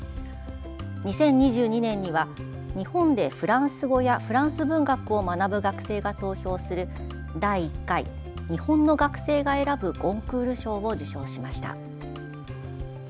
２０２２年には日本でフランス語やフランス文学を学ぶ学生が投票する第１回日本の学生が選ぶゴンクール賞を受賞しました。